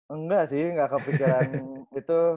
enggak sih enggak kepikiran itu